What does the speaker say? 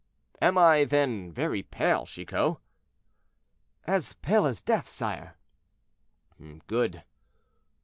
"Am I, then, very pale, Chicot?" "As pale as death, sire." "Good."